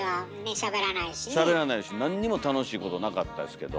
しゃべらないしなんにも楽しいことなかったですけど。